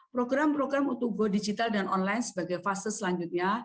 program program untuk go digital dan online sebagai fase selanjutnya